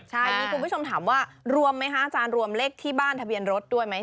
อันนี้คุณผู้ชมถามว่ารวมไหมคะอาจารย์รวมเลขที่บ้านทะเบียนรถด้วยไหม